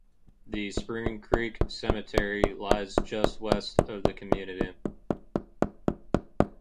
The Spring Creek Cemetery lies just west of the community.